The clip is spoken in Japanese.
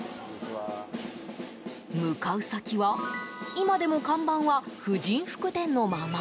向かう先は今でも看板は婦人服店のまま。